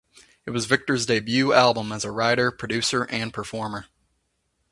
It was Victor's debut album as a writer, producer and performer.